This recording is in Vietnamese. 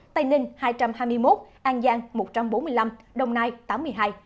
tây ninh hai trăm hai mươi một an giang một trăm bốn mươi năm đồng nai tám mươi hai